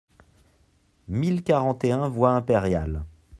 mille quarante et un voie Impériale